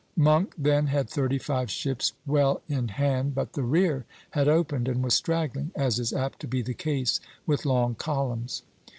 Monk then had thirty five ships well in hand; but the rear had opened and was straggling, as is apt to be the case with long columns.